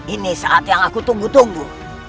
ini saat yang aku tunggu tunggu